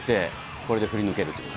これで振り抜けると。